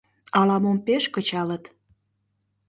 Ала-мом пеш кычалыт.